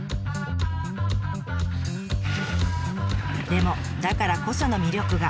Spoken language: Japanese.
でもだからこその魅力が。